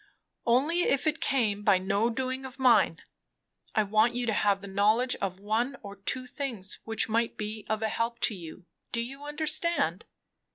Only, if it came by no doing of mine, I want you to have the knowledge of one or two things which might be a help to you. Do you understand?"